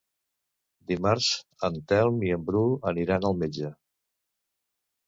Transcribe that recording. Dimarts en Telm i en Bru aniran al metge.